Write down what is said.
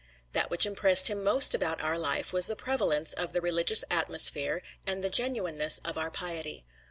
That which impressed him most about our life was the prevalence of the religious atmosphere and the genuineness of our piety.